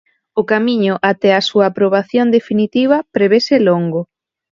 O camiño até a súa aprobación definitiva prevese longo.